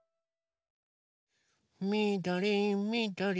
みどりみどり。